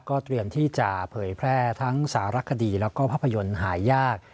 เตรียมที่จะเผยแพร่ทั้งสารคดีแล้วก็ภาพยนตร์หายาก